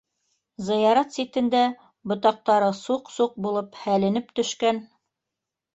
Зыярат ситендә, ботаҡтары суҡ-суҡ булып һәленеп төшкән